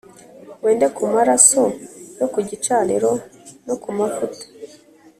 Wende Ku Maraso Yo Ku Gicaniro No Ku Mavuta